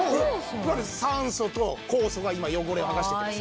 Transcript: いわゆる酸素と酵素が今汚れを剥がしてくれます